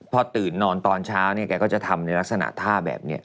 พอตื่นนอนตอนเช้าเนี่ยแกก็จะทำในลักษณะท่าแบบนี้